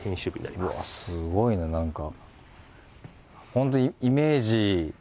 すごいな何か。